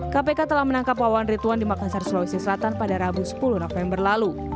kpk telah menangkap wawan ritwan di makassar sulawesi selatan pada rabu sepuluh november lalu